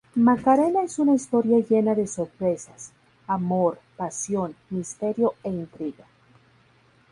Macarena es una historia llena de sorpresas, amor, pasión, misterio e intriga.